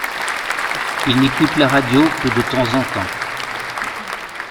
Ils n’écoutent la radio que de temps en temps.